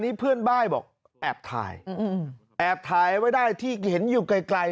นี่เพื่อนบ้านบอกแอบถ่ายแอบถ่ายไว้ได้ที่เห็นอยู่ไกลไกล